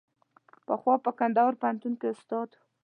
پخوا په کندهار پوهنتون کې استاد و.